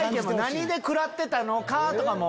何で食らってたのかとかも。